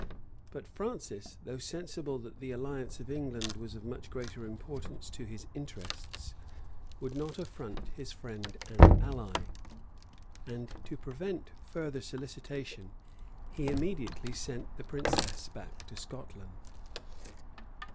But Francis, though sensible that the alliance of England was of much greater importance to his interests, would not affront his friend and ally; and to prevent further solicitation, he immediately sent the princess to Scotland.